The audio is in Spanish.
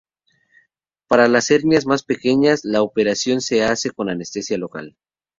Para las hernias más pequeñas, la operación se hace con anestesia local.